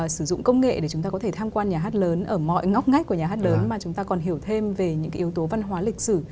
sử dụng công nghệ để chúng ta có thể tham quan nhà hát lớn ở mọi ngóc ngách của nhà hát lớn mà chúng ta còn hiểu thêm về những yếu tố văn hóa lịch sử